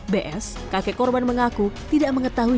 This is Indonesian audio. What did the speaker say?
bs kakek korban mengaku tidak mengetahui